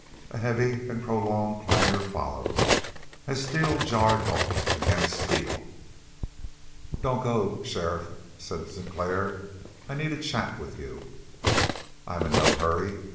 A heavy and prolonged clangor followed, as steel jarred home against steel. "Don't go sheriff," said Sinclair. "I need a chat with you." "I'm in no hurry.